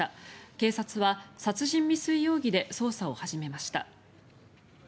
警察は殺人未遂容疑で捜査を始めました。